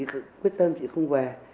chị quyết tâm chị không về